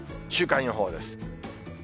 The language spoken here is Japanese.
週間予報です。